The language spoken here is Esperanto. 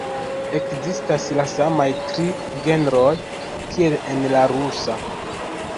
Ekzistas la samaj tri genroj kiel en la rusa.